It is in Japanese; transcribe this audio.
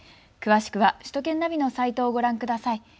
詳しくは首都圏ナビのサイトをご覧ください。